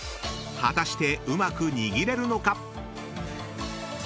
［果たしてうまく握れるのか？］